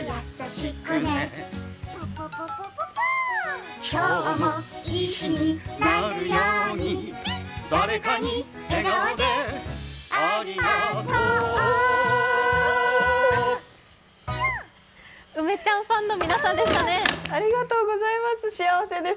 ありがとうございます。